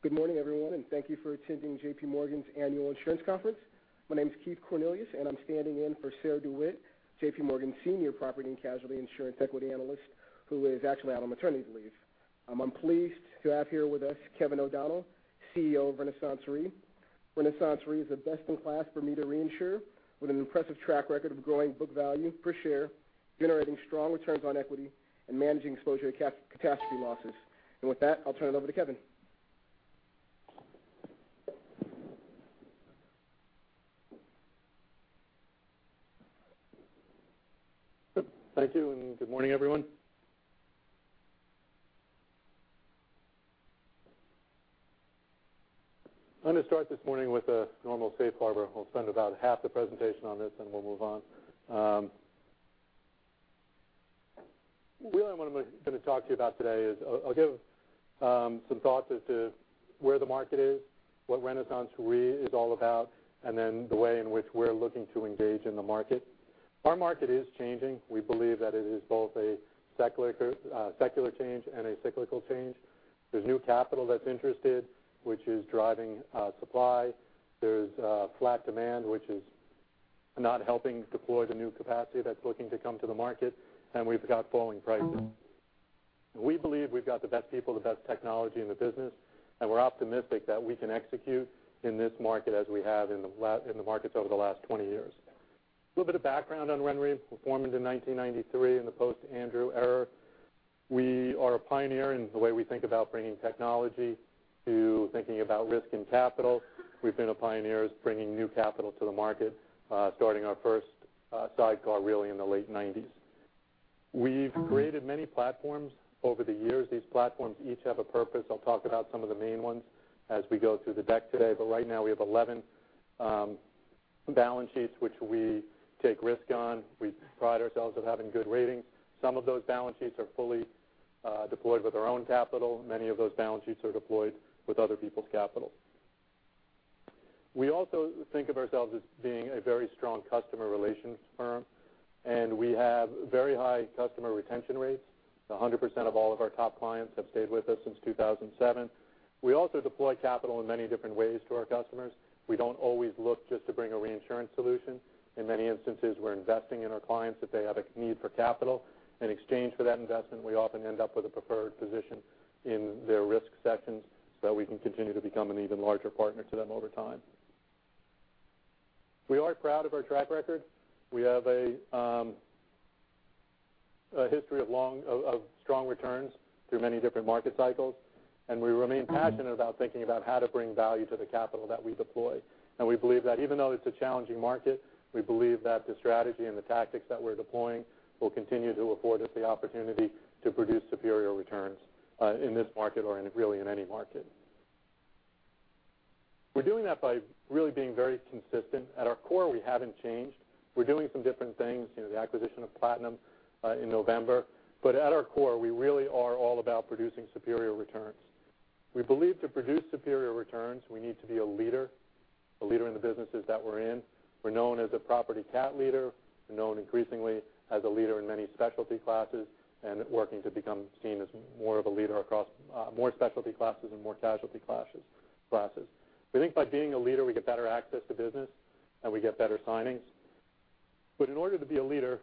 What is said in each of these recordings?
Good morning, everyone, thank you for attending J.P. Morgan U.S. Insurance Forum. My name is Keith McCue, I'm standing in for Sarah DeWitt, J.P. Morgan Senior Property and Casualty Insurance Equity Analyst, who is actually out on maternity leave. I'm pleased to have here with us Kevin O'Donnell, CEO of RenaissanceRe. RenaissanceRe is a best-in-class Bermuda reinsurer with an impressive track record of growing book value per share, generating strong returns on equity, and managing exposure to catastrophe losses. With that, I'll turn it over to Kevin. Thank you, good morning, everyone. I'm going to start this morning with the normal safe harbor. We'll spend about half the presentation on this, we'll move on. Really what I'm going to talk to you about today is I'll give some thoughts as to where the market is, what RenaissanceRe is all about, and then the way in which we're looking to engage in the market. Our market is changing. We believe that it is both a secular change and a cyclical change. There's new capital that's interested, which is driving supply. There's a flat demand, which is not helping deploy the new capacity that's looking to come to the market, and we've got falling prices. We believe we've got the best people, the best technology in the business, and we're optimistic that we can execute in this market as we have in the markets over the last 20 years. A little bit of background on RenRe. We formed in 1993 in the post-Andrew era. We are a pioneer in the way we think about bringing technology to thinking about risk and capital. We've been pioneers bringing new capital to the market, starting our first sidecar really in the late '90s. We've created many platforms over the years. These platforms each have a purpose. I'll talk about some of the main ones as we go through the deck today, but right now we have 11 balance sheets which we take risks on. We pride ourselves on having good ratings. Some of those balance sheets are fully deployed with our own capital. Many of those balance sheets are deployed with other people's capital. We also think of ourselves as being a very strong customer relations firm, and we have very high customer retention rates. 100% of all of our top clients have stayed with us since 2007. We also deploy capital in many different ways to our customers. We don't always look just to bring a reinsurance solution. In many instances, we're investing in our clients if they have a need for capital. In exchange for that investment, we often end up with a preferred position in their risk sections so that we can continue to become an even larger partner to them over time. We are proud of our track record. We have a history of strong returns through many different market cycles, and we remain passionate about thinking about how to bring value to the capital that we deploy. We believe that even though it's a challenging market, we believe that the strategy and the tactics that we're deploying will continue to afford us the opportunity to produce superior returns in this market or really in any market. We're doing that by really being very consistent. At our core, we haven't changed. We're doing some different things, the acquisition of Platinum in November. At our core, we really are all about producing superior returns. We believe to produce superior returns, we need to be a leader, a leader in the businesses that we're in. We're known as a property cat leader. We're known increasingly as a leader in many specialty classes and working to become seen as more of a leader across more specialty classes and more casualty classes. By being a leader, we get better access to business and we get better signings. In order to be a leader,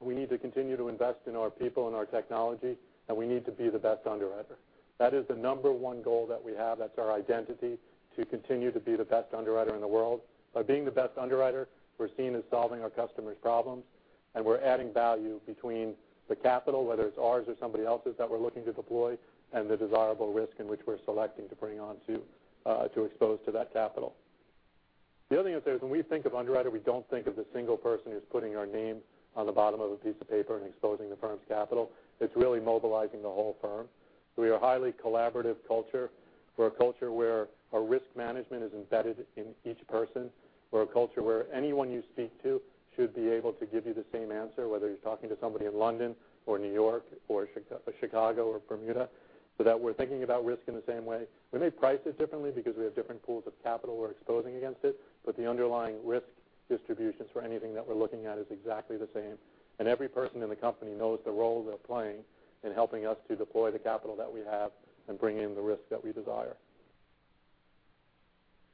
we need to continue to invest in our people and our technology, and we need to be the best underwriter. That is the number one goal that we have. That's our identity, to continue to be the best underwriter in the world. By being the best underwriter, we're seen as solving our customers' problems, and we're adding value between the capital, whether it's ours or somebody else's that we're looking to deploy, and the desirable risk in which we're selecting to bring on to expose to that capital. The other thing is when we think of underwriter, we don't think of the single person who's putting our name on the bottom of a piece of paper and exposing the firm's capital. It's really mobilizing the whole firm. We are a highly collaborative culture. We're a culture where our risk management is embedded in each person. We're a culture where anyone you speak to should be able to give you the same answer, whether you're talking to somebody in London or New York or Chicago or Bermuda, so that we're thinking about risk in the same way. We may price it differently because we have different pools of capital we're exposing against it, but the underlying risk distributions for anything that we're looking at is exactly the same. Every person in the company knows the role they're playing in helping us to deploy the capital that we have and bring in the risk that we desire.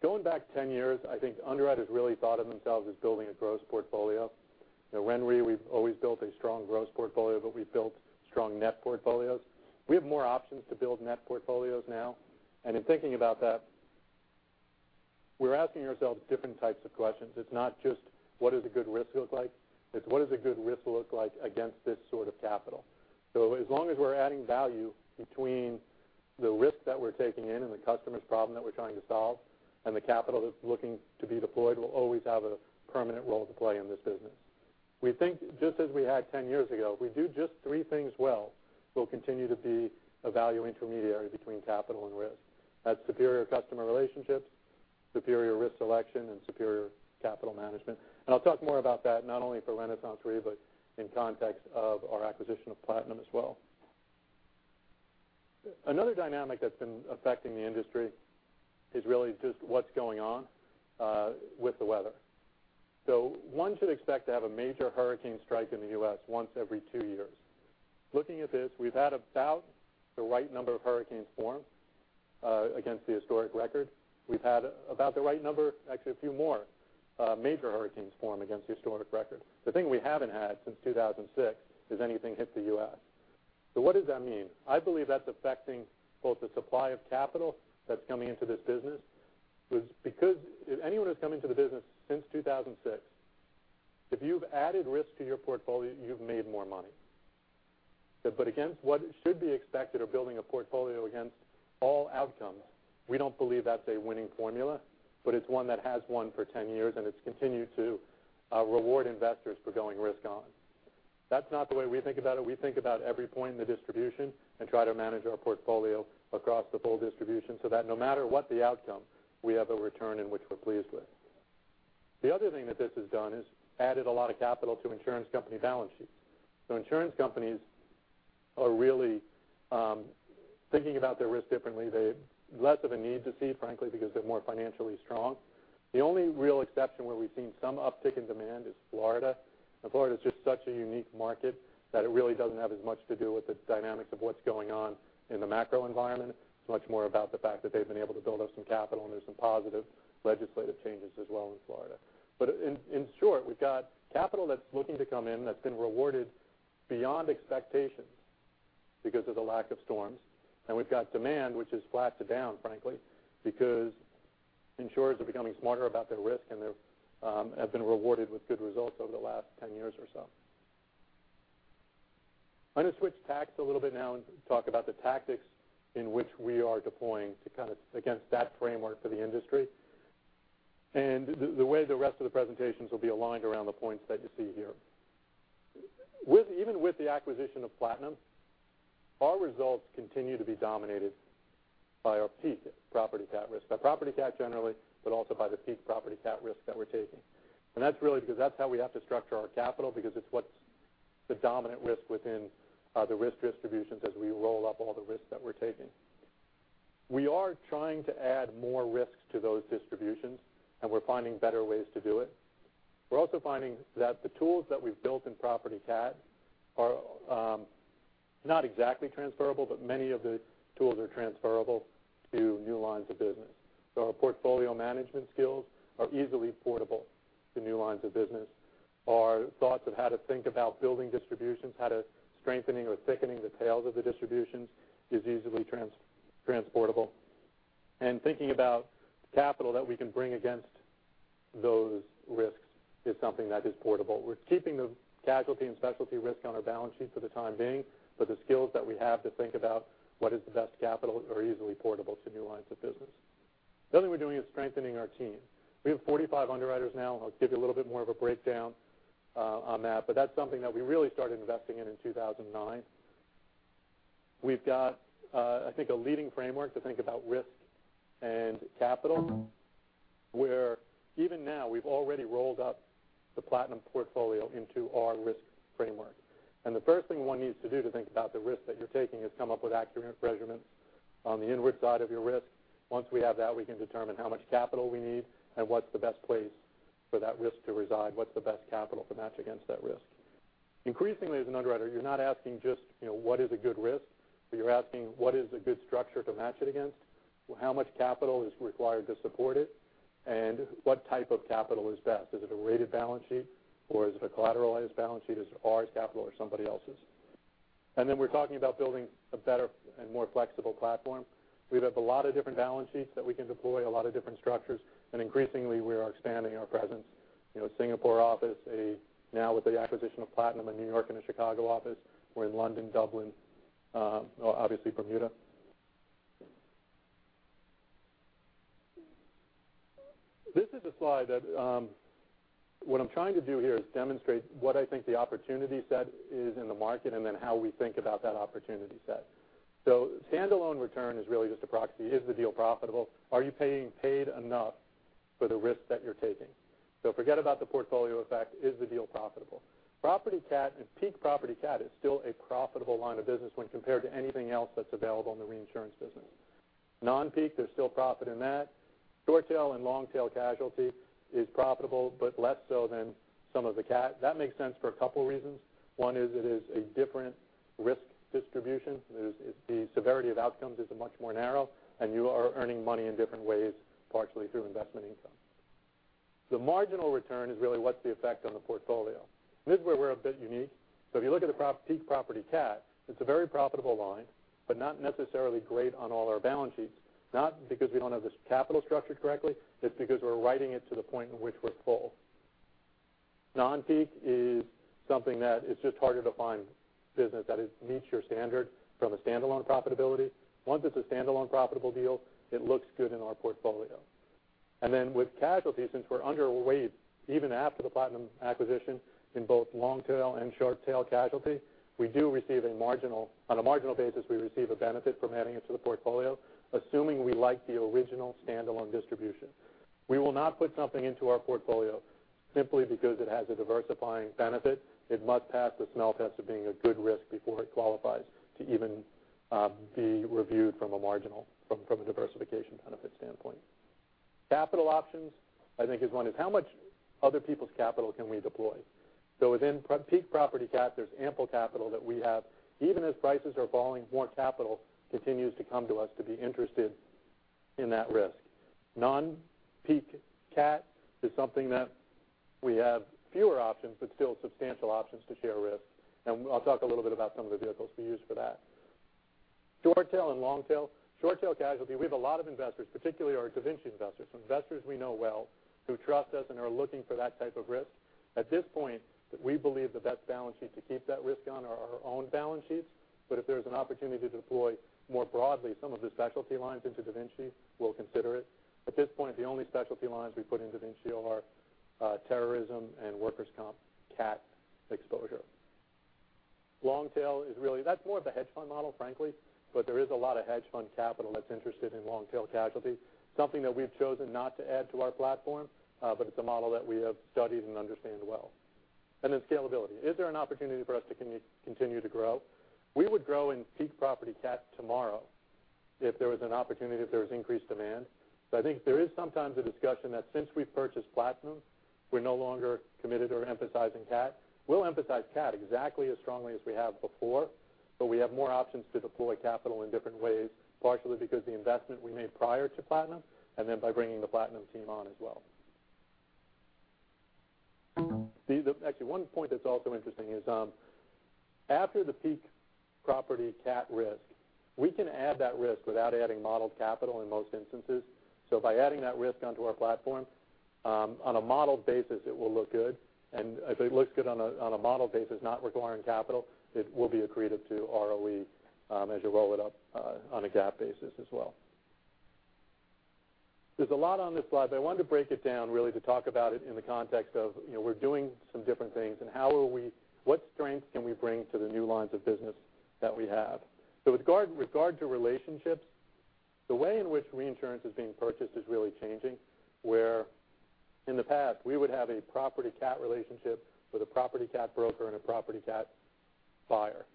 Going back 10 years, I think underwriters really thought of themselves as building a gross portfolio. At RenRe, we've always built a strong gross portfolio, but we've built strong net portfolios. We have more options to build net portfolios now, and in thinking about that, we're asking ourselves different types of questions. It's not just what does a good risk look like? It's what does a good risk look like against this sort of capital? As long as we're adding value between the risk that we're taking in and the customer's problem that we're trying to solve and the capital that's looking to be deployed, we'll always have a permanent role to play in this business. We think just as we had 10 years ago, if we do just three things well, we'll continue to be a value intermediary between capital and risk. That's superior customer relationships, superior risk selection, and superior capital management. I'll talk more about that not only for RenaissanceRe but in context of our acquisition of Platinum as well. Another dynamic that's been affecting the industry is really just what's going on with the weather. One should expect to have a major hurricane strike in the U.S. once every two years. Looking at this, we've had about the right number of hurricanes form against the historic record. We've had about the right number, actually, a few more major hurricanes form against the historic record. The thing we haven't had since 2006 is anything hit the U.S. What does that mean? I believe that's affecting both the supply of capital that's coming into this business because if anyone who's come into the business since 2006, if you've added risk to your portfolio, you've made more money. Against what should be expected of building a portfolio against all outcomes, we don't believe that's a winning formula, but it's one that has won for 10 years, and it's continued to reward investors for going risk on. That's not the way we think about it. We think about every point in the distribution and try to manage our portfolio across the full distribution so that no matter what the outcome, we have a return in which we're pleased with. The other thing that this has done is added a lot of capital to insurance company balance sheets. Insurance companies are really thinking about their risk differently. They have less of a need to cede, frankly, because they're more financially strong. The only real exception where we've seen some uptick in demand is Florida. Florida is just such a unique market that it really doesn't have as much to do with the dynamics of what's going on in the macro environment. It's much more about the fact that they've been able to build up some capital, and there's some positive legislative changes as well in Florida. In short, we've got capital that's looking to come in that's been rewarded beyond expectations because of the lack of storms. We've got demand which is flat to down, frankly, because insurers are becoming smarter about their risk, and they have been rewarded with good results over the last 10 years or so. I'm going to switch tacks a little bit now and talk about the tactics in which we are deploying to kind of against that framework for the industry. The way the rest of the presentations will be aligned around the points that you see here. Even with the acquisition of Platinum, our results continue to be dominated by our peak property cat risk, by property cat generally, but also by the peak property cat risk that we're taking. That's really because that's how we have to structure our capital because it's what's the dominant risk within the risk distributions as we roll up all the risks that we're taking. We are trying to add more risks to those distributions, and we're finding better ways to do it. We're also finding that the tools that we've built in property cat are not exactly transferable, but many of the tools are transferable to new lines of business. Our portfolio management skills are easily portable to new lines of business. Our thoughts of how to think about building distributions, how to strengthening or thickening the tails of the distributions is easily transportable. Thinking about capital that we can bring against those risks is something that is portable. We're keeping the casualty and specialty risk on our balance sheet for the time being, but the skills that we have to think about what is the best capital are easily portable to new lines of business. The other thing we're doing is strengthening our team. We have 45 underwriters now, and I'll give you a little bit more of a breakdown on that, but that's something that we really started investing in in 2009. We've got, I think, a leading framework to think about risk and capital, where even now we've already rolled up the Platinum portfolio into our risk framework. The first thing one needs to do to think about the risk that you're taking is come up with accurate measurements on the inward side of your risk. Once we have that, we can determine how much capital we need and what's the best place for that risk to reside, what's the best capital to match against that risk. Increasingly, as an underwriter, you're not asking just what is a good risk, but you're asking what is a good structure to match it against? How much capital is required to support it? What type of capital is best? Is it a rated balance sheet, or is it a collateralized balance sheet? Is it our capital or somebody else's? Then we're talking about building a better and more flexible platform. We have a lot of different balance sheets that we can deploy, a lot of different structures. Increasingly, we are expanding our presence. Singapore office, now with the acquisition of Platinum, a New York and a Chicago office. We're in London, Dublin, obviously Bermuda. This is a slide that what I'm trying to do here is demonstrate what I think the opportunity set is in the market and then how we think about that opportunity set. Standalone return is really just a proxy. Is the deal profitable? Are you paid enough for the risk that you're taking? Forget about the portfolio effect. Is the deal profitable? Property cat and peak property cat is still a profitable line of business when compared to anything else that's available in the reinsurance business. Non-peak, there's still profit in that. Short tail and long tail casualty is profitable, but less so than some of the cat. That makes sense for a couple of reasons. One is it is a different risk distribution. The severity of outcomes is much more narrow, and you are earning money in different ways, partially through investment income. The marginal return is really what's the effect on the portfolio. This is where we're a bit unique. If you look at the peak property cat, it's a very profitable line, but not necessarily great on all our balance sheets, not because we don't have this capital structured correctly. It's because we're writing it to the point in which we're full. Non-peak is something that it's just harder to find business that meets your standard from a standalone profitability. Once it's a standalone profitable deal, it looks good in our portfolio. With casualty, since we're underweight, even after the Platinum acquisition in both long tail and short tail casualty, on a marginal basis, we receive a benefit from adding it to the portfolio, assuming we like the original standalone distribution. We will not put something into our portfolio simply because it has a diversifying benefit. It must pass the smell test of being a good risk before it qualifies to even be reviewed from a diversification benefit standpoint. Capital options, I think is one, is how much other people's capital can we deploy? Within peak property cat, there's ample capital that we have. Even as prices are falling, more capital continues to come to us to be interested in that risk. Non-peak cat is something that we have fewer options, but still substantial options to share risk, and I'll talk a little bit about some of the vehicles we use for that. Short tail and long tail. Short tail casualty, we have a lot of investors, particularly our DaVinci investors. Investors we know well, who trust us and are looking for that type of risk. At this point, we believe the best balance sheet to keep that risk on are our own balance sheets, but if there's an opportunity to deploy more broadly some of the specialty lines into DaVinci, we'll consider it. At this point, the only specialty lines we put into DaVinci are terrorism and Workers' Comp Cat exposure. Long tail is really, that's more of a hedge fund model, frankly, but there is a lot of hedge fund capital that's interested in long tail casualty. Something that we've chosen not to add to our platform, but it's a model that we have studied and understand well. Scalability. Is there an opportunity for us to continue to grow? We would grow in peak property cat tomorrow if there was an opportunity, if there was increased demand. I think there is sometimes a discussion that since we've purchased Platinum, we're no longer committed or emphasizing cat. We'll emphasize cat exactly as strongly as we have before, but we have more options to deploy capital in different ways, partially because the investment we made prior to Platinum, and then by bringing the Platinum team on as well. Actually, one point that's also interesting is, after the peak property cat risk, we can add that risk without adding modeled capital in most instances. By adding that risk onto our platform, on a modeled basis, it will look good. If it looks good on a modeled basis, not requiring capital, it will be accretive to ROE as you roll it up on a GAAP basis as well. There's a lot on this slide, but I wanted to break it down really to talk about it in the context of we're doing some different things and what strengths can we bring to the new lines of business that we have? With regard to relationships, the way in which reinsurance is being purchased is really changing, where in the past, we would have a property cat relationship with a property cat broker and a property cat buyer.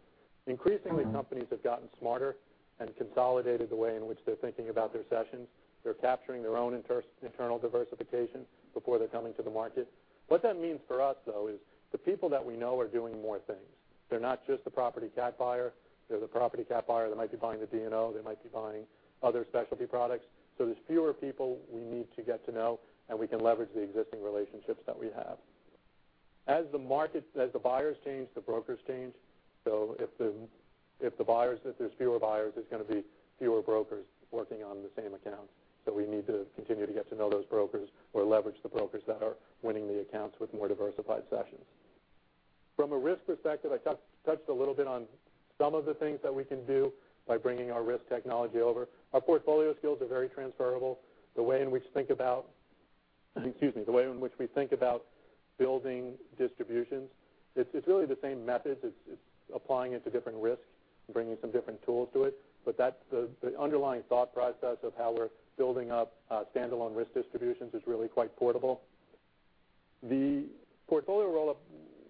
Increasingly, companies have gotten smarter and consolidated the way in which they're thinking about their cessions. They're capturing their own internal diversification before they're coming to the market. What that means for us, though, is the people that we know are doing more things. They're not just the property cat buyer. They're the property cat buyer that might be buying the D&O, they might be buying other specialty products. There's fewer people we need to get to know, and we can leverage the existing relationships that we have. As the buyers change, the brokers change. If there's fewer buyers, there's going to be fewer brokers working on the same accounts. We need to continue to get to know those brokers or leverage the brokers that are winning the accounts with more diversified sessions. From a risk perspective, I touched a little bit on some of the things that we can do by bringing our risk technology over. Our portfolio skills are very transferable. The way in which we think about building distributions, it's really the same methods. It's applying it to different risks and bringing some different tools to it. The underlying thought process of how we're building up standalone risk distributions is really quite portable. The portfolio roll-up,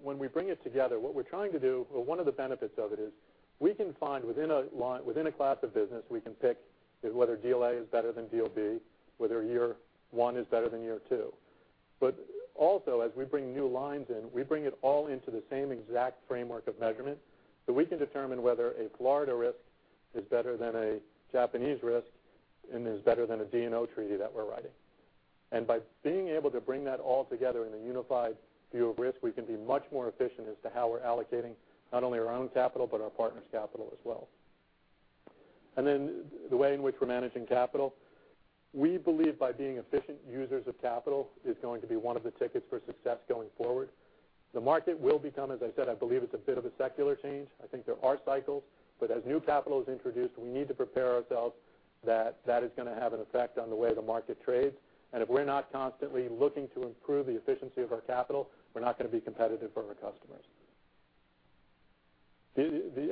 when we bring it together, what we're trying to do or one of the benefits of it is we can find within a class of business, we can pick whether deal A is better than deal B, whether year one is better than year two. Also, as we bring new lines in, we bring it all into the same exact framework of measurement so we can determine whether a Florida risk is better than a Japanese risk and is better than a D&O treaty that we're writing. By being able to bring that all together in a unified view of risk, we can be much more efficient as to how we're allocating not only our own capital, but our partners' capital as well. The way in which we're managing capital, we believe by being efficient users of capital is going to be one of the tickets for success going forward. The market will become, as I said, I believe it's a bit of a secular change. I think there are cycles, as new capital is introduced, we need to prepare ourselves that that is going to have an effect on the way the market trades. If we're not constantly looking to improve the efficiency of our capital, we're not going to be competitive for our customers.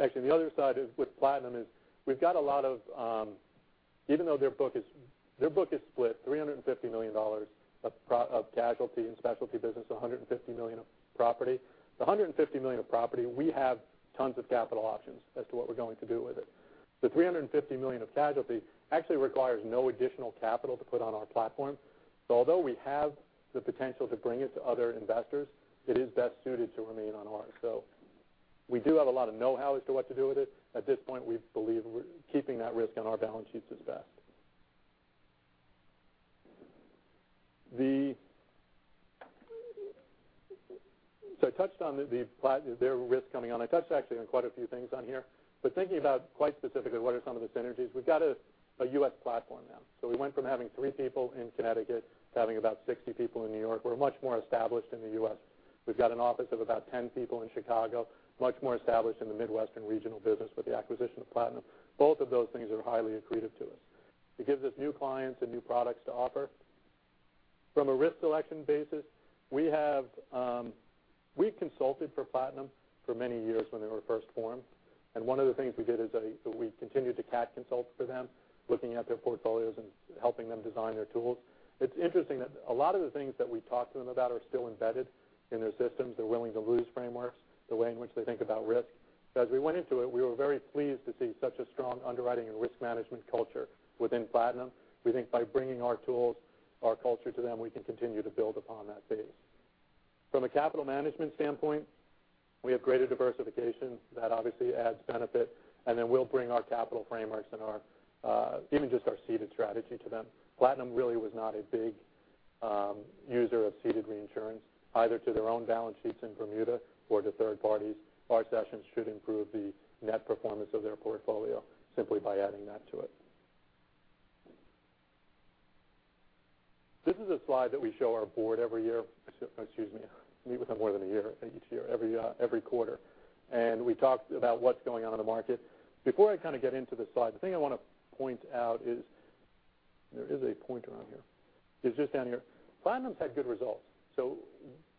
Actually, the other side with Platinum is we've got a lot of, even though their book is split, $350 million of casualty and specialty business, $150 million of property. The $150 million of property, we have tons of capital options as to what we're going to do with it. The $350 million of casualty actually requires no additional capital to put on our platform. Although we have the potential to bring it to other investors, it is best suited to remain on ours. We do have a lot of know-how as to what to do with it. At this point, we believe keeping that risk on our balance sheets is best. I touched on their risk coming on. I touched actually on quite a few things on here. Thinking about quite specifically what are some of the synergies, we've got a U.S. platform now. We went from having three people in Connecticut to having about 60 people in New York. We're much more established in the U.S. We've got an office of about 10 people in Chicago, much more established in the Midwestern regional business with the acquisition of Platinum. Both of those things are highly accretive to us. It gives us new clients and new products to offer. From a risk selection basis, we consulted for Platinum for many years when they were first formed, and one of the things we did is we continued to cat consult for them, looking at their portfolios and helping them design their tools. It's interesting that a lot of the things that we talked to them about are still embedded in their systems. They're willing to lose frameworks, the way in which they think about risk. We went into it, we were very pleased to see such a strong underwriting and risk management culture within Platinum. We think by bringing our tools, our culture to them, we can continue to build upon that base. From a capital management standpoint, we have greater diversification. That obviously adds benefit, and then we'll bring our capital frameworks and even just our ceded strategy to them. Platinum really was not a big user of ceded reinsurance, either to their own balance sheets in Bermuda or to third parties. Our retrocessions should improve the net performance of their portfolio simply by adding that to it. This is a slide that we show our board every year. Excuse me, we meet with them more than a year each year, every quarter, and we talk about what's going on in the market. Before I get into this slide, the thing I want to point out is, there is a pointer on here. It's just down here. Platinum's had good results.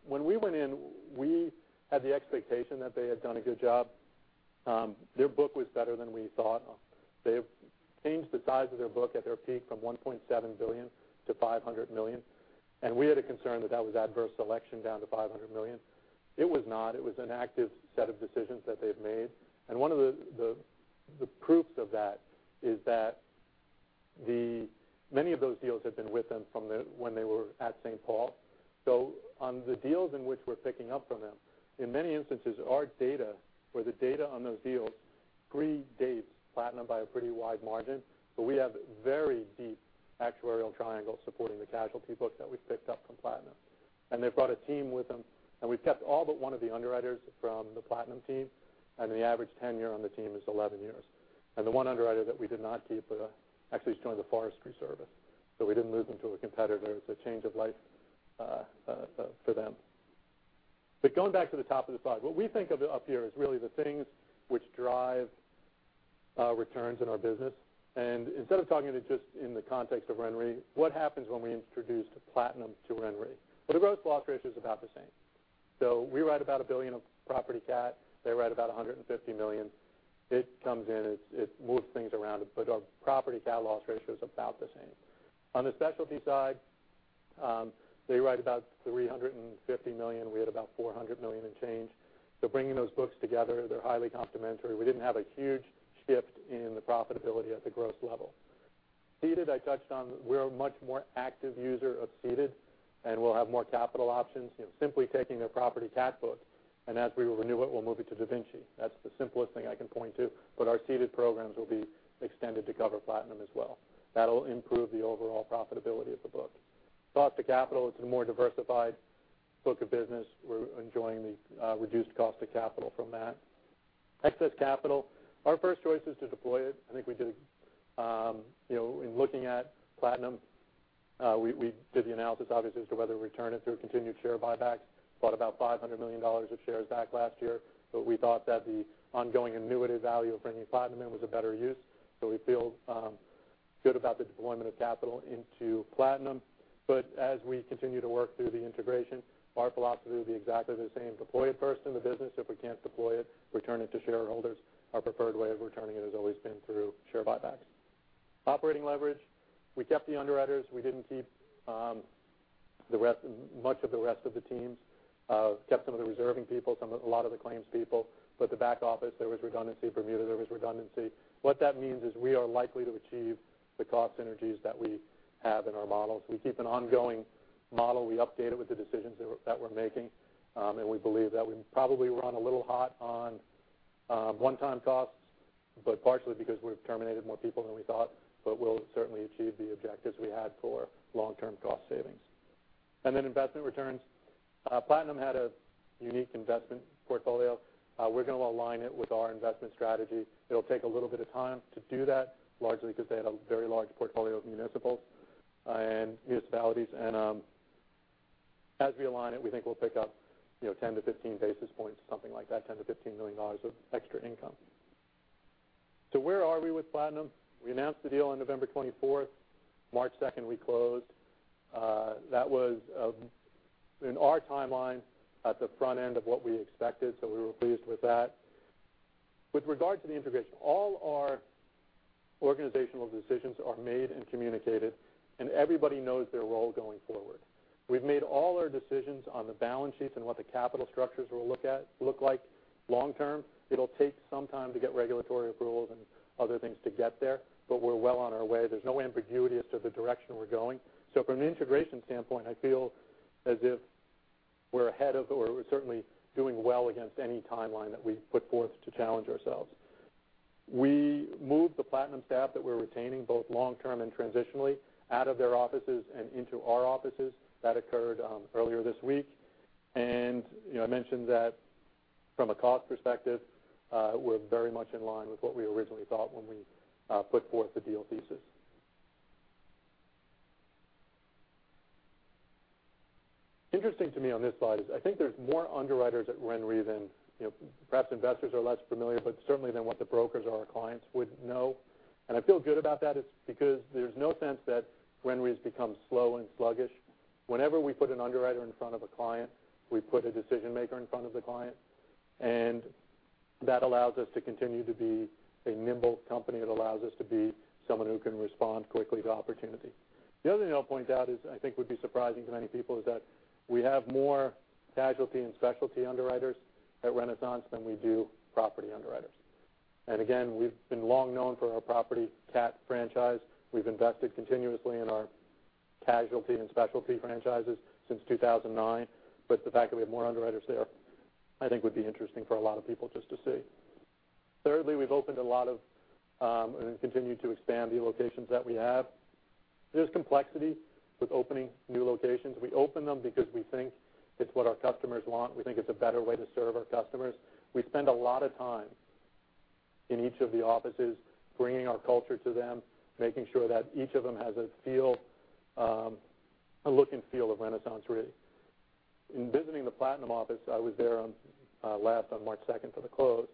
When we went in, we had the expectation that they had done a good job. Their book was better than we thought. They've changed the size of their book at their peak from $1.7 billion to $500 million, and we had a concern that that was adverse selection down to $500 million. It was not. It was an active set of decisions that they've made, and one of the proofs of that is that many of those deals have been with them from when they were at St. Paul. On the deals in which we're picking up from them, in many instances, our data or the data on those deals predates Platinum by a pretty wide margin, but we have very deep actuarial triangles supporting the casualty books that we've picked up from Platinum. They've brought a team with them, and we've kept all but one of the underwriters from the Platinum team, and the average tenure on the team is 11 years. The one underwriter that we did not keep actually has joined the U.S. Forest Service. We didn't lose them to a competitor. It's a change of life for them. Going back to the top of the slide, what we think of up here is really the things which drive our returns in our business. Instead of talking just in the context of RenRe, what happens when we introduce Platinum to RenRe? Well, the gross loss ratio is about the same. We write about $1 billion of property cat, they write about $150 million. It comes in, it moves things around, but our property cat loss ratio is about the same. On the specialty side, they write about $350 million. We had about $400 million and change. Bringing those books together, they're highly complementary. We didn't have a huge shift in the profitability at the gross level. Ceded, I touched on. We're a much more active user of ceded, and we'll have more capital options simply taking their property cat book, and as we renew it, we'll move it to DaVinci. That's the simplest thing I can point to. Our ceded programs will be extended to cover Platinum as well. That'll improve the overall profitability of the book. Cost of capital, it's a more diversified book of business. We're enjoying the reduced cost of capital from that. Excess capital, our first choice is to deploy it. I think in looking at Platinum, we did the analysis, obviously, as to whether we return it through continued share buybacks. Bought about $500 million of shares back last year. We thought that the ongoing annuity value of bringing Platinum in was a better use. We feel good about the deployment of capital into Platinum. As we continue to work through the integration, our philosophy will be exactly the same. Deploy it first in the business. If we can't deploy it, return it to shareholders. Our preferred way of returning it has always been through share buybacks. Operating leverage, we kept the underwriters. We didn't keep much of the rest of the teams. Kept some of the reserving people, a lot of the claims people. The back office, there was redundancy. Bermuda, there was redundancy. What that means is we are likely to achieve the cost synergies that we have in our models. We keep an ongoing model. We update it with the decisions that we're making. We believe that we probably run a little hot on one-time costs, partially because we've terminated more people than we thought. We'll certainly achieve the objectives we had for long-term cost savings. Then investment returns. Platinum had a unique investment portfolio. We're going to align it with our investment strategy. It'll take a little bit of time to do that, largely because they had a very large portfolio of municipals and municipalities. As we align it, we think we'll pick up 10-15 basis points, something like that, $10 million-$15 million of extra income. Where are we with Platinum? We announced the deal on November 24th. March 2nd, we closed. That was in our timeline at the front end of what we expected. We were pleased with that. With regard to the integration, all our organizational decisions are made and communicated. Everybody knows their role going forward. We've made all our decisions on the balance sheets and what the capital structures will look like long term. It'll take some time to get regulatory approvals and other things to get there. We're well on our way. There's no ambiguity as to the direction we're going. From an integration standpoint, I feel as if we're ahead of, or we're certainly doing well against any timeline that we put forth to challenge ourselves. We moved the Platinum staff that we're retaining, both long term and transitionally, out of their offices and into our offices. That occurred earlier this week. I mentioned that from a cost perspective, we're very much in line with what we originally thought when we put forth the deal thesis. Interesting to me on this slide is I think there's more underwriters at RenRe than perhaps investors are less familiar, but certainly than what the brokers or our clients would know. I feel good about that because there's no sense that RenRe has become slow and sluggish. Whenever we put an underwriter in front of a client, we put a decision-maker in front of the client, that allows us to continue to be a nimble company. It allows us to be someone who can respond quickly to opportunity. The other thing I'll point out is I think would be surprising to many people is that we have more casualty and specialty underwriters at Renaissance than we do property underwriters. Again, we've been long known for our property cat franchise. We've invested continuously in our casualty and specialty franchises since 2009. The fact that we have more underwriters there, I think would be interesting for a lot of people just to see. Thirdly, we've opened a lot of, and continue to expand the locations that we have. There's complexity with opening new locations. We open them because we think it's what our customers want. We think it's a better way to serve our customers. We spend a lot of time in each of the offices bringing our culture to them, making sure that each of them has a look and feel of RenaissanceRe. In visiting the Platinum office, I was there last on March 2nd for the close.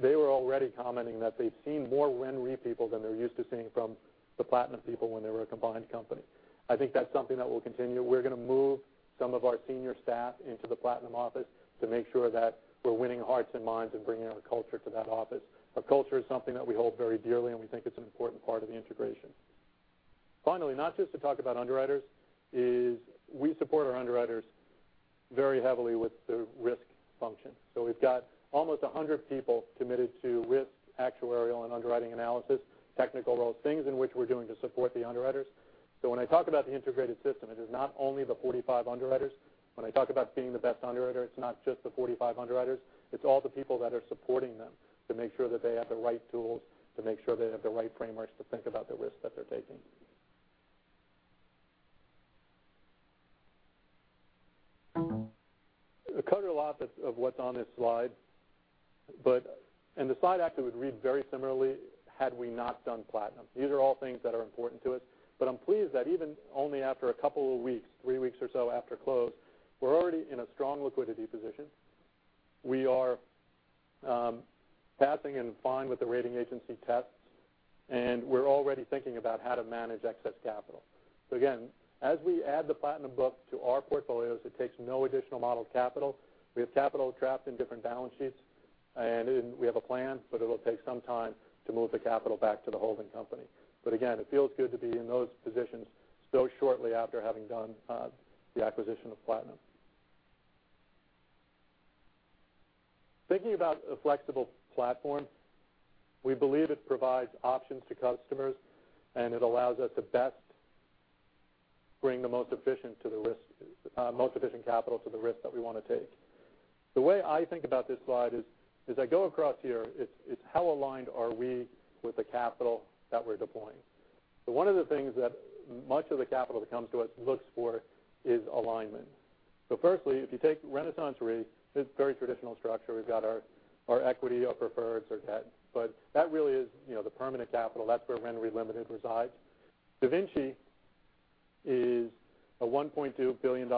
They were already commenting that they've seen more RenRe people than they're used to seeing from the Platinum people when they were a combined company. I think that's something that will continue. We're going to move some of our senior staff into the Platinum office to make sure that we're winning hearts and minds and bringing our culture to that office. Our culture is something that we hold very dearly, we think it's an important part of the integration. Finally, not just to talk about underwriters, is we support our underwriters very heavily with the risk function. We've got almost 100 people committed to risk, actuarial, and underwriting analysis, technical role, things in which we're doing to support the underwriters. When I talk about the integrated system, it is not only the 45 underwriters. When I talk about being the best underwriter, it's not just the 45 underwriters, it's all the people that are supporting them to make sure that they have the right tools, to make sure they have the right frameworks to think about the risk that they're taking. I covered a lot of what's on this slide, the slide actually would read very similarly had we not done Platinum. These are all things that are important to us, I'm pleased that even only after a couple of weeks, three weeks or so after close, we're already in a strong liquidity position. We are passing and fine with the rating agency tests, and we're already thinking about how to manage excess capital. Again, as we add the Platinum book to our portfolios, it takes no additional model capital. We have capital trapped in different balance sheets, and we have a plan, it'll take some time to move the capital back to the holding company. Again, it feels good to be in those positions so shortly after having done the acquisition of Platinum. Thinking about a flexible platform, we believe it provides options to customers, and it allows us to best bring the most efficient capital to the risk that we want to take. The way I think about this slide is, as I go across here, it's how aligned are we with the capital that we're deploying? One of the things that much of the capital that comes to us looks for is alignment. Firstly, if you take RenaissanceRe, it's a very traditional structure. We've got our equity, our preferred, our debt, that really is the permanent capital. That's where RenRe Limited resides. DaVinci is a $1.2 billion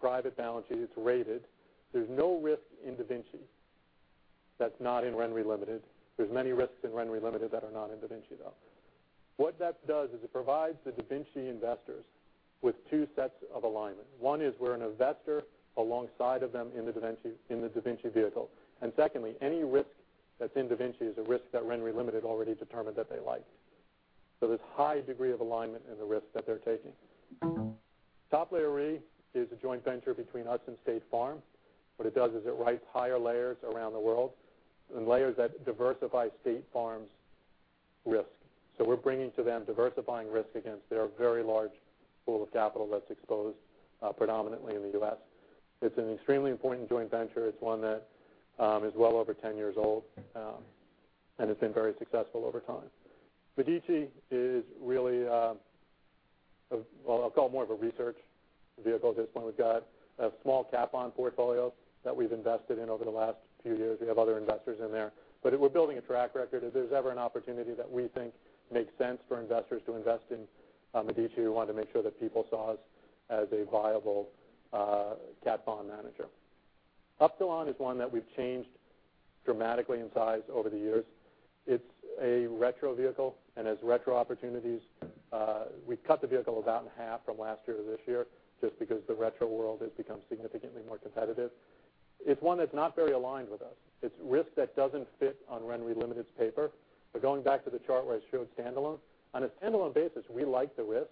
private balance sheet. It's rated. There's no risk in DaVinci that's not in RenRe Limited. There's many risks in RenRe Limited that are not in DaVinci, though. What that does is it provides the DaVinci investors with two sets of alignment. One is we're an investor alongside of them in the DaVinci vehicle. Secondly, any risk that's in DaVinci is a risk that RenRe Limited already determined that they like. There's a high degree of alignment in the risk that they're taking. Top Layer Re is a joint venture between us and State Farm. What it does is it writes higher layers around the world and layers that diversify State Farm's risk. We're bringing to them diversifying risk against their very large pool of capital that's exposed predominantly in the U.S. It's an extremely important joint venture. It's one that is well over 10 years old, and it's been very successful over time. Medici is really, well, I'll call more of a research vehicle at this point. We've got a small cat bond portfolio that we've invested in over the last few years. We have other investors in there, we're building a track record. If there's ever an opportunity that we think makes sense for investors to invest in Medici, we wanted to make sure that people saw us as a viable cat bond manager. Upsilon is one that we've changed dramatically in size over the years. It's a retro vehicle, as retro opportunities, we've cut the vehicle about in half from last year to this year just because the retro world has become significantly more competitive. It's one that's not very aligned with us. It's risk that doesn't fit on RenRe Limited's paper, going back to the chart where I showed standalone, on a standalone basis, we like the risk,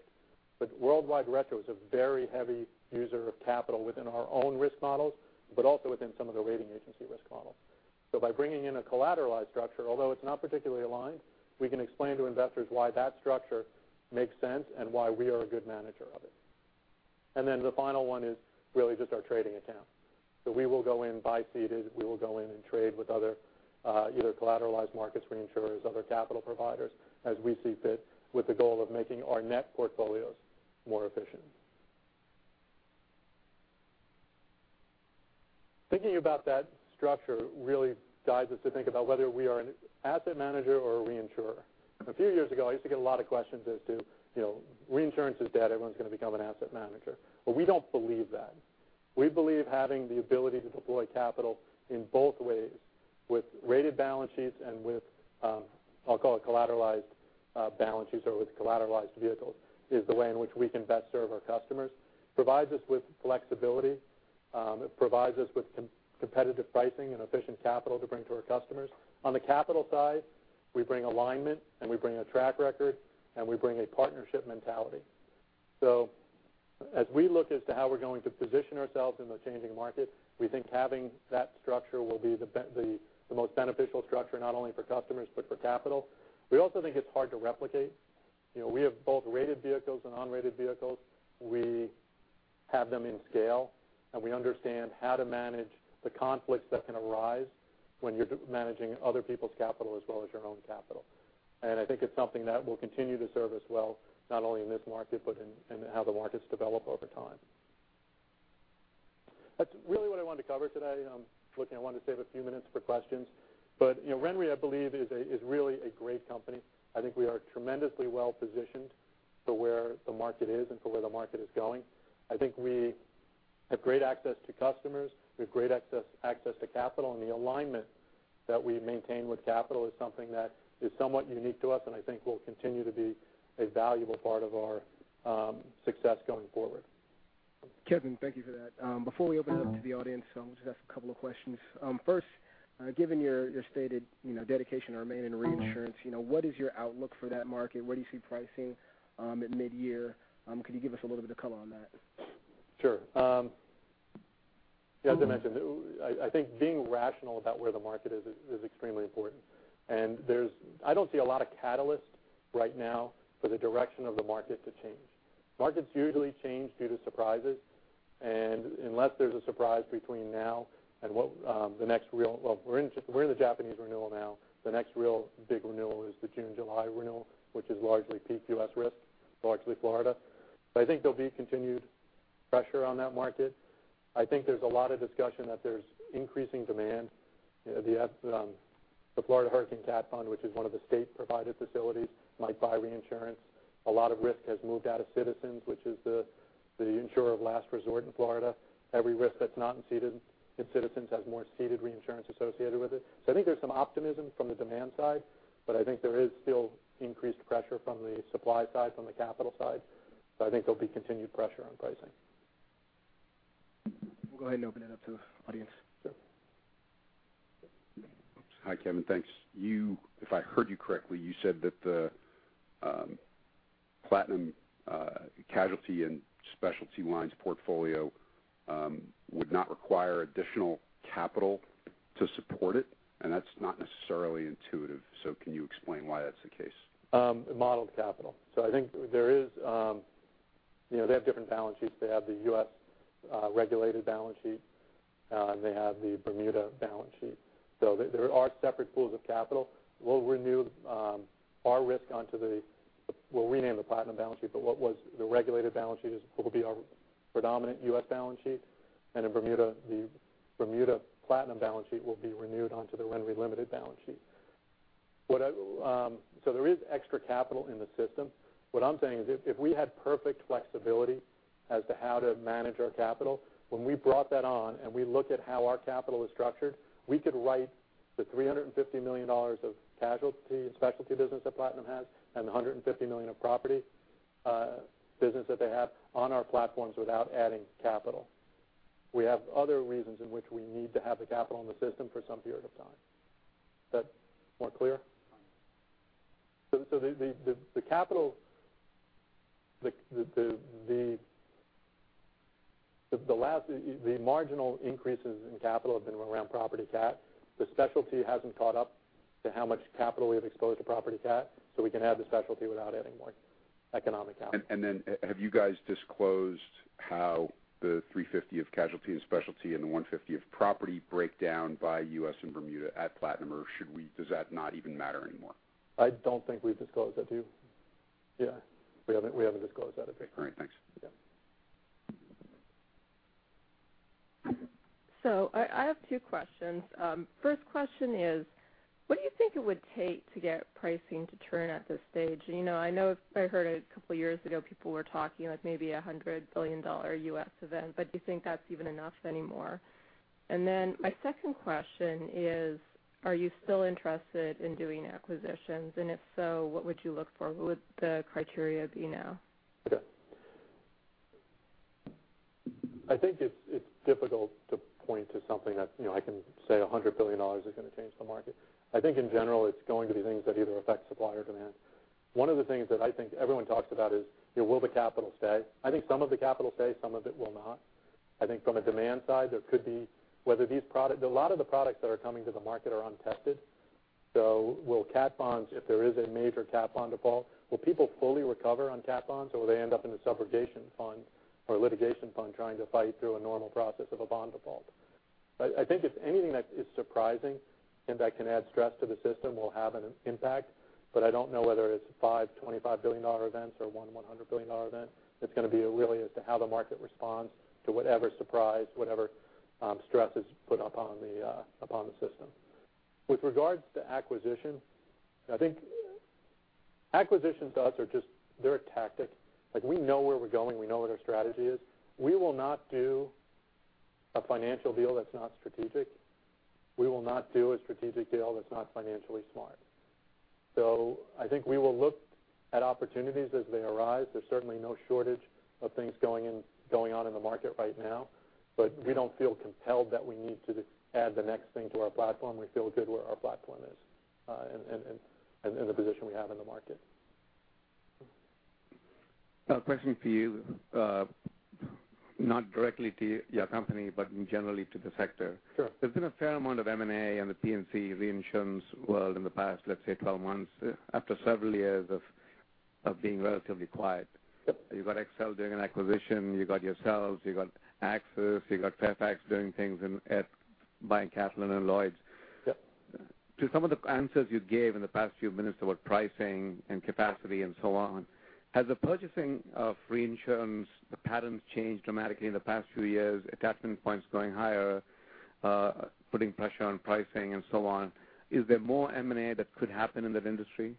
worldwide retro is a very heavy user of capital within our own risk models, also within some of the rating agency risk models. By bringing in a collateralized structure, although it's not particularly aligned, we can explain to investors why that structure makes sense and why we are a good manager of it. The final one is really just our trading account. We will go in buy ceded, we will go in and trade with other either collateralized markets, reinsurers, other capital providers as we see fit with the goal of making our net portfolios more efficient. Thinking about that structure really guides us to think about whether we are an asset manager or a reinsurer. A few years ago, I used to get a lot of questions as to reinsurance is dead, everyone's going to become an asset manager. We don't believe that. We believe having the ability to deploy capital in both ways, with rated balance sheets and with, I'll call it collateralized balance sheets or with collateralized vehicles, is the way in which we can best serve our customers. It provides us with flexibility. It provides us with competitive pricing and efficient capital to bring to our customers. On the capital side, we bring alignment, we bring a track record, and we bring a partnership mentality. As we look as to how we're going to position ourselves in the changing market, we think having that structure will be the most beneficial structure, not only for customers but for capital. We also think it's hard to replicate. We have both rated vehicles and unrated vehicles. We have them in scale, we understand how to manage the conflicts that can arise when you're managing other people's capital as well as your own capital. I think it's something that will continue to serve us well, not only in this market but in how the markets develop over time. That's really what I wanted to cover today. I wanted to save a few minutes for questions. RenRe, I believe, is really a great company. I think we are tremendously well-positioned for where the market is and for where the market is going. I think we have great access to customers, we have great access to capital, and the alignment that we maintain with capital is something that is somewhat unique to us and I think will continue to be a valuable part of our success going forward. Kevin, thank you for that. Before we open it up to the audience, I'll just ask a couple of questions. First, given your stated dedication to remaining in reinsurance, what is your outlook for that market? Where do you see pricing at mid-year? Could you give us a little bit of color on that? Sure. Yeah, as I mentioned, I think being rational about where the market is extremely important. I don't see a lot of catalysts right now for the direction of the market to change. Markets usually change due to surprises, unless there's a surprise between now and well, we're in the Japanese renewal now. The next real big renewal is the June, July renewal, which is largely peak U.S. risk, largely Florida. I think there'll be continued pressure on that market. I think there's a lot of discussion that there's increasing demand. The Florida Hurricane Cat Fund, which is one of the state-provided facilities, might buy reinsurance. A lot of risk has moved out of Citizens, which is the insurer of last resort in Florida. Every risk that's not in Citizens has more ceded reinsurance associated with it. I think there's some optimism from the demand side, but I think there is still increased pressure from the supply side, from the capital side. I think there'll be continued pressure on pricing. We'll go ahead and open it up to the audience. Sure. Hi, Kevin. Thanks. If I heard you correctly, you said that the Platinum casualty and specialty lines portfolio would not require additional capital to support it, and that's not necessarily intuitive. Can you explain why that's the case? Modeled capital. I think they have different balance sheets. They have the U.S. regulated balance sheet, and they have the Bermuda balance sheet. There are separate pools of capital. We'll rename the Platinum balance sheet, but what was the regulated balance sheet is what will be our predominant U.S. balance sheet. In Bermuda, the Bermuda Platinum balance sheet will be renewed onto the RenRe Limited balance sheet. There is extra capital in the system. What I'm saying is if we had perfect flexibility as to how to manage our capital, when we brought that on and we looked at how our capital is structured, we could write the $350 million of casualty and specialty business that Platinum has and the $150 million of property business that they have on our platforms without adding capital. We have other reasons in which we need to have the capital in the system for some period of time. Is that more clear? Fine. The marginal increases in capital have been around property catastrophe. The specialty hasn't caught up to how much capital we have exposed to property catastrophe, we can have the specialty without adding more economic capital. Have you guys disclosed how the $350 of casualty and specialty and the $150 of property breakdown by U.S. and Bermuda at Platinum, or does that not even matter anymore? I don't think we've disclosed that, do you? Yeah, we haven't disclosed that, I think. All right. Thanks. Yeah. I have two questions. First question is, what do you think it would take to get pricing to turn at this stage? I know I heard a couple of years ago people were talking like maybe a $100 billion U.S. event, but do you think that's even enough anymore? My second question is, are you still interested in doing acquisitions? If so, what would you look for? What would the criteria be now? Okay. I think it's difficult to point to something that I can say $100 billion is going to change the market. I think in general it's going to be things that either affect supply or demand. One of the things that I think everyone talks about is will the capital stay? I think some of the capital stay, some of it will not. I think from a demand side, a lot of the products that are coming to the market are untested. Will cat bonds, if there is a major cat bond default, will people fully recover on cat bonds or will they end up in a subrogation fund or litigation fund trying to fight through a normal process of a bond default? I think if anything that is surprising and that can add stress to the system will have an impact, but I don't know whether it's five $25 billion events or one $100 billion event. It's going to be really as to how the market responds to whatever surprise, whatever stress is put upon the system. With regards to acquisition, I think acquisitions to us are just tactics. We know where we're going. We know what our strategy is. We will not do a financial deal that's not strategic. We will not do a strategic deal that's not financially smart. I think we will look at opportunities as they arise. There's certainly no shortage of things going on in the market right now, but we don't feel compelled that we need to add the next thing to our platform. We feel good where our platform is and the position we have in the market. A question for you, not directly to your company, but generally to the sector. Sure. There's been a fair amount of M&A in the P&C reinsurance world in the past, let's say 12 months, after several years of being relatively quiet. Yep. You've got XL doing an acquisition, you got yourselves, you got AXIS, you got Fairfax doing things and buying Catlin and Lloyd's. Yep. To some of the answers you gave in the past few minutes about pricing and capacity and so on, has the purchasing of reinsurance, the patterns changed dramatically in the past few years, attachment points going higher, putting pressure on pricing and so on? Is there more M&A that could happen in that industry?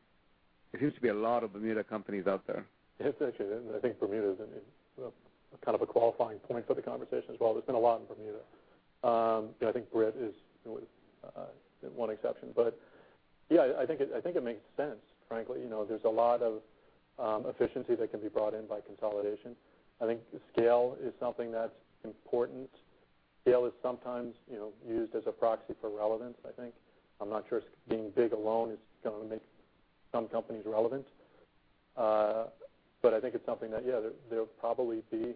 There seems to be a lot of Bermuda companies out there. It's actually, I think Bermuda is kind of a qualifying point for the conversation as well. There's been a lot in Bermuda. I think Brit is one exception. Yeah, I think it makes sense, frankly. There's a lot of efficiency that can be brought in by consolidation. I think scale is something that's important. Scale is sometimes used as a proxy for relevance, I think. I'm not sure being big alone is going to make some companies relevant. I think it's something that, yeah, there'll probably be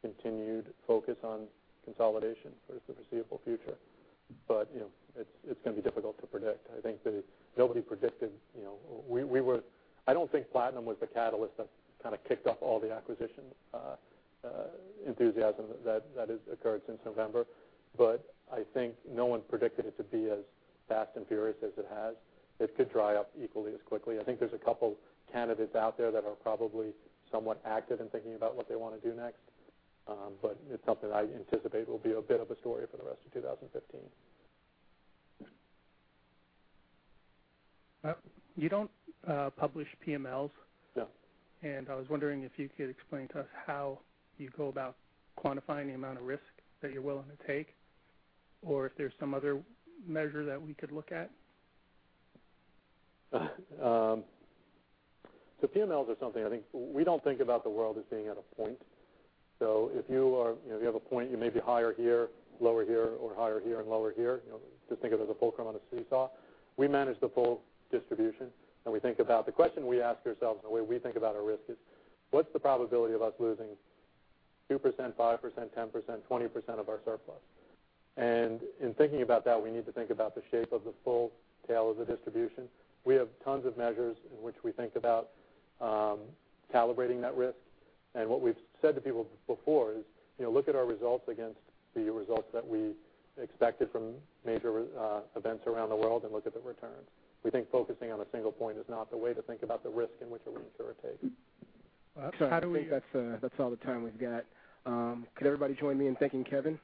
continued focus on consolidation for the foreseeable future. It's going to be difficult to predict. I don't think Platinum was the catalyst that kind of kicked off all the acquisition enthusiasm that has occurred since November. I think no one predicted it to be as fast and furious as it has. It could dry up equally as quickly. I think there's a couple candidates out there that are probably somewhat active in thinking about what they want to do next. It's something I anticipate will be a bit of a story for the rest of 2015. You don't publish PMLs. No. I was wondering if you could explain to us how you go about quantifying the amount of risk that you're willing to take, or if there's some other measure that we could look at. PMLs are something I think we don't think about the world as being at a point. If you have a point, you may be higher here, lower here, or higher here and lower here. Just think of it as a fulcrum on a seesaw. We manage the full distribution, and we think about the question we ask ourselves and the way we think about our risk is, what's the probability of us losing 2%, 5%, 10%, 20% of our surplus? In thinking about that, we need to think about the shape of the full tail of the distribution. We have tons of measures in which we think about calibrating that risk. What we've said to people before is look at our results against the results that we expected from major events around the world and look at the returns. We think focusing on a single point is not the way to think about the risk in which a reinsurer takes. I think that's all the time we've got. Could everybody join me in thanking Kevin?